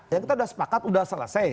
yang kita udah sepakat udah selesai